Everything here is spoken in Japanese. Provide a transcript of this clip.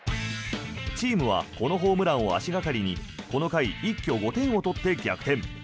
チームはこのホームランを足掛かりにこの回、一挙５点を取って逆転。